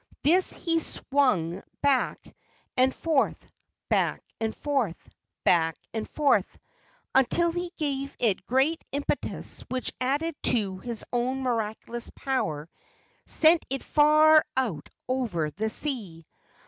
This he swung back and forth, back and forth, back and forth, until he gave it great impetus which added to his own miraculous power sent it far out over the sea.